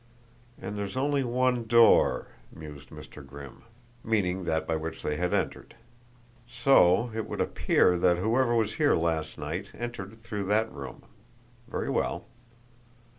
"And there's only one door," mused Mr. Grimm, meaning that by which they had entered. "So it would appear that whoever was here last night entered through that room. Very well."